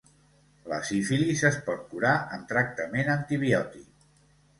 La sífilis es pot curar amb tractament antibiòtic.